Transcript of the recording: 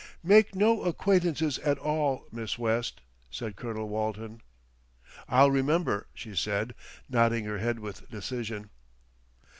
"Make no acquaintances at all, Miss West," said Colonel Walton. "I'll remember," she said, nodding her head with decision.